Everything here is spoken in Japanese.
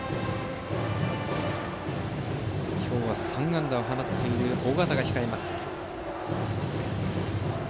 今日は３安打を放っている尾形が控えます。